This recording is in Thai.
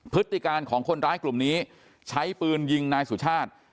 พฤติการของคนร้ายกลุ่มนี้ใช้ปืนยิงนายสุชาติ